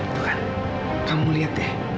tuhan kamu lihat deh